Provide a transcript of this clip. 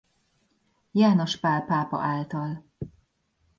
János Pál pápa által.